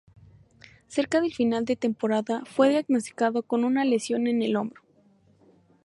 Cerca del final de temporada, fue diagnosticado con una lesión en el hombro.